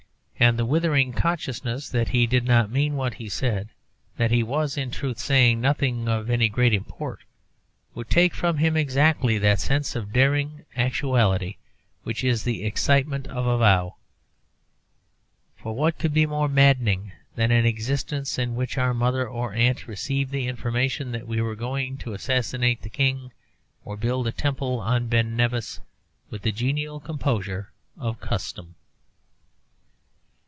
And the withering consciousness that he did not mean what he said, that he was, in truth, saying nothing of any great import, would take from him exactly that sense of daring actuality which is the excitement of a vow. For what could be more maddening than an existence in which our mother or aunt received the information that we were going to assassinate the King or build a temple on Ben Nevis with the genial composure of custom?